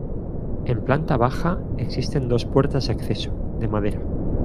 En planta baja existen dos puertas de acceso, de madera.